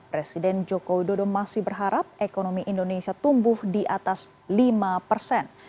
presiden joko widodo masih berharap ekonomi indonesia tumbuh di atas lima persen